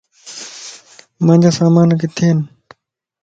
مانجا سامان ڪٿي ين؟